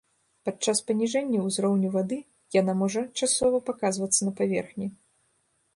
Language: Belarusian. Падчас паніжэнняў узроўню вады яна можа часова паказвацца на паверхні.